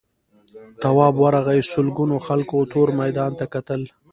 تواب ورغی سلگونو خلکو تور میدان ته کتل.